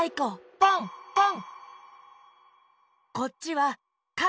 ポンポン！